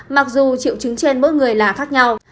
mặc dù triệu chứng trên mỗi người là khác nhau